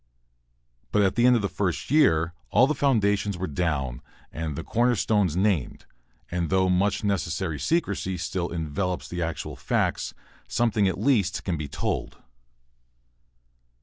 But at the end of the first year all the foundations were down and the corner stones named, and though much necessary secrecy still envelops the actual facts, something at least can be told.